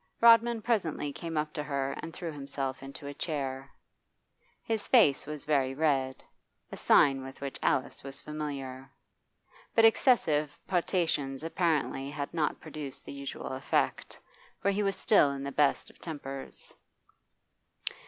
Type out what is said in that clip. Rodman presently came up to her and threw himself into a chair. His face was very red, a sign with which Alice was familiar; but excessive potations apparently had not produced the usual effect, for he was still in the best of tempers.